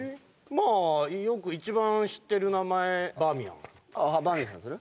まあよく一番知ってる名前バーミヤンあっバーミヤンにする？